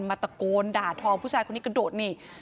ตะโกนด่าทองผู้ชายคนนี้กระโดดนี่